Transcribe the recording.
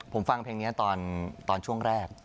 ผมฟังเพลงนี้ตอนช่วงแรก